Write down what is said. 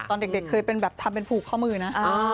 ตอนเด็กเคยเป็นแบบทำเป็นผูกข้อมือนะ